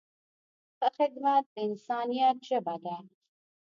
ښه خدمت د انسانیت ژبه ده.